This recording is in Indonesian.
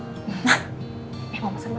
eh mau pesan apa